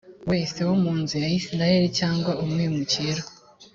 wese wo mu nzu ya isirayeli cyangwa umwimukira